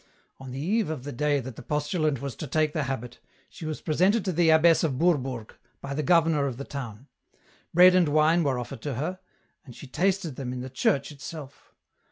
On the eve of the day that the postulant was to take the habit, she was presented to the abbess of Bourbourg by the governor of the town. Bread and wine were offered to her, and she tasted them in the church itself.